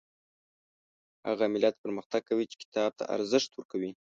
هغه ملت پرمختګ کوي چې کتاب ته ارزښت ورکوي